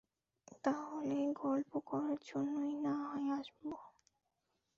তাহলে গল্প করার জন্যেই না-হয় আসব।